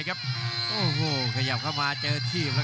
กรุงฝาพัดจินด้า